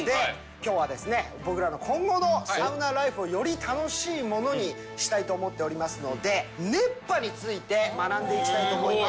きょうはですね、僕らの今後のサウナライフをより楽しいものにしたいと思っておりますので、熱波について学んでいきたいと思います。